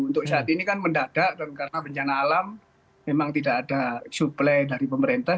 untuk saat ini kan mendadak dan karena bencana alam memang tidak ada suplai dari pemerintah